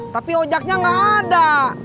tapi ojaknya gak ada